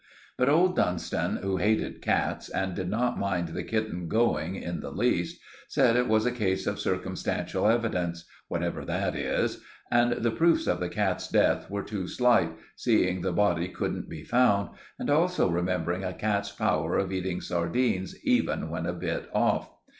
But old Dunstan, who hated cats, and did not mind the kitten going in the least, said it was a case of circumstantial evidence—whatever that is—and the proofs of the cat's death were too slight, seeing the body couldn't be found, and also remembering a cat's power of eating sardines, even when a bit off.